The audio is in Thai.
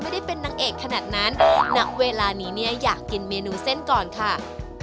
ไม่ได้เป็นนางเอกขนาดนั้นณเวลานี้เนี่ยอยากกินเมนูเส้นก่อนค่ะ